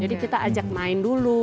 jadi kita ajak main dulu